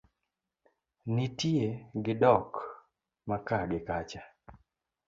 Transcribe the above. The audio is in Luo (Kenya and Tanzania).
nitie gi dok maka gi kacha